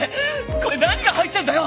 これ何が入ってんだよ！